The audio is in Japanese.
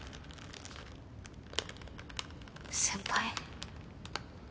先輩？